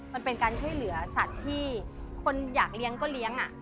มันเป็นการช่วยเหลือสัตว์ที่คนอยากเลี้ยงก็เลี้ยง